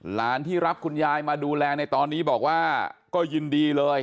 หลานที่รับคุณยายมาดูแลในตอนนี้บอกว่าก็ยินดีเลย